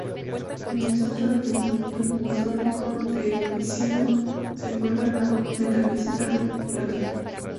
En el centro del pensamiento filosófico de Ficino se encuentra la metafísica de Plotino.